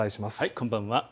こんばんは。